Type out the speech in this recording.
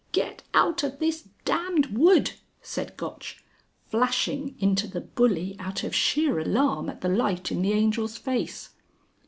"Get out of this damned wood!" said Gotch, flashing into the bully out of sheer alarm at the light in the Angel's face.